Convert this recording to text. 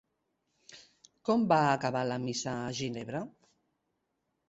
Com va acabar la Missa a Ginebra?